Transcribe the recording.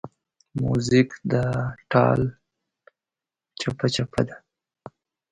موزیک د ټال چپهچپه ده.